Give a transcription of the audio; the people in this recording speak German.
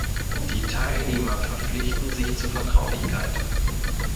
Die Teilnehmer verpflichten sich zu Vertraulichkeit.